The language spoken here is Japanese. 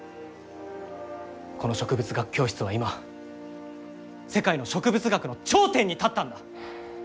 この植物学教室は今世界の植物学の頂点に立ったんだ！